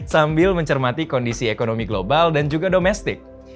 sambil mencermati kondisi ekonomi global dan juga domestik